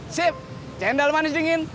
sip cendol manis dingin